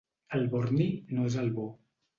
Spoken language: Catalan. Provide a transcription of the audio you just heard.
El borni no és el bo.